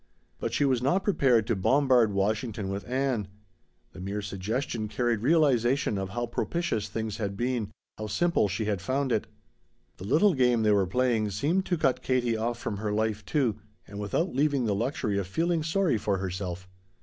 But she was not prepared to bombard Washington with Ann. The mere suggestion carried realization of how propitious things had been, how simple she had found it. The little game they were playing seemed to cut Katie off from her life, too, and without leaving the luxury of feeling sorry for herself.